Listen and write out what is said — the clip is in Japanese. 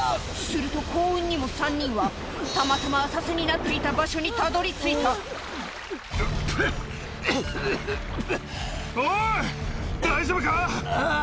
すると幸運にも３人はたまたま浅瀬になっていた場所にたどり着いたああ！